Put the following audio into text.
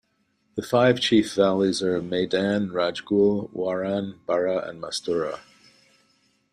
The five chief valleys are Maidan, Rajgul, Waran, Bara and Mastura.